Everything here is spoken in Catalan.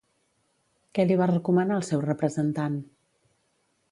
Què li va recomanar el seu representant?